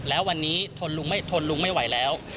แล้ววันนี้ทนลุงไม่ไหวแล้ว